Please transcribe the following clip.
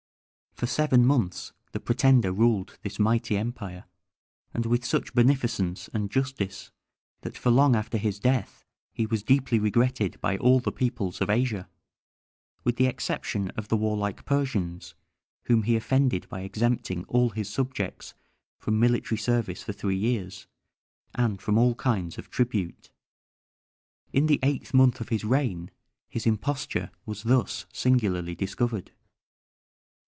For seven months the pretender ruled this mighty empire, and with such beneficence and justice that for long after his death he was deeply regretted by all the peoples of Asia, with the exception of the warlike Persians, whom he offended by exempting all his subjects from military service for three years, and from all kinds of tribute. In the eighth month of his reign his imposture was thus singularly discovered.